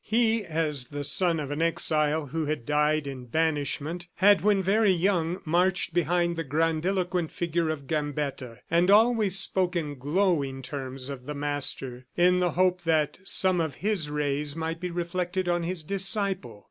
He, as the son of an exile who had died in banishment, had when very young marched behind the grandiloquent figure of Gambetta, and always spoke in glowing terms of the Master, in the hope that some of his rays might be reflected on his disciple.